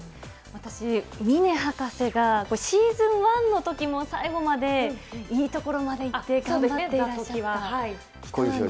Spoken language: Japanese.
私、峰博士がシーズン１のときも最後までいいところまで行って頑張っているとき。